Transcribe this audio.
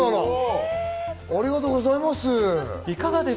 ありがとうございます！